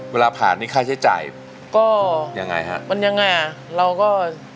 เวลาผ่านนี่ค่าใช้จ่ายก็ยังไงฮะมันยังไงอ่ะเราก็